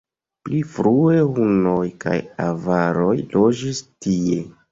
Pli frue hunoj kaj avaroj loĝis tie.